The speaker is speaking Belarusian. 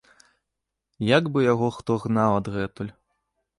Як бы яго хто гнаў адгэтуль.